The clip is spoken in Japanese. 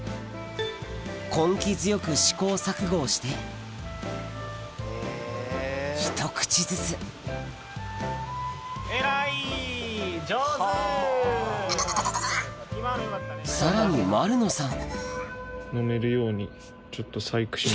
根気強く試行錯誤をしてひと口ずつさらに丸野さん